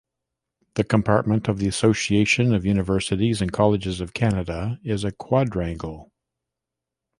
The compartment of the Association of Universities and Colleges of Canada is a quadrangle.